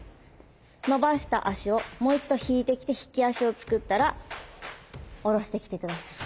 伸ばした足をもう一度引いてきて引き足を作ったら下ろしてきて下さい。